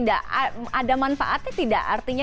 ada manfaatnya tidak artinya